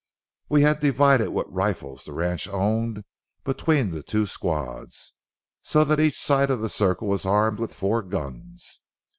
We had divided what rifles the ranch owned between the two squads, so that each side of the circle was armed with four guns.